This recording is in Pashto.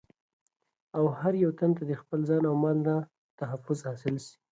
او هر يو تن ته دخپل ځان او مال نه تحفظ حاصل سي